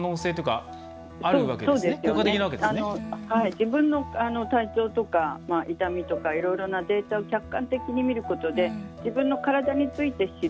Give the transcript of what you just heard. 自分の体調とか痛みとかいろいろなデータを客観的に見ることで自分の体について知る。